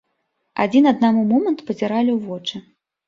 Адзін аднаму момант пазіралі ў вочы.